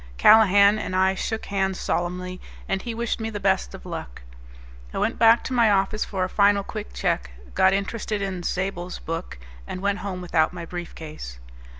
Callahan and I shook hands solemnly, and he wished me the best of luck. I went back to my office for a final quick check, got interested in Zabell's book, and went home without my briefcase.